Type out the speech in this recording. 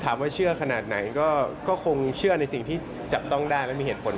ว่าเชื่อขนาดไหนก็คงเชื่อในสิ่งที่จับต้องได้และมีเหตุผล